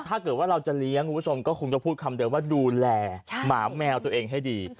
ถ้าเกิดว่าเราจะเลี้ยงคุณผู้ชมก็คงจะพูดคำเดิมว่าดูแลหมาแมวตัวเองให้ดี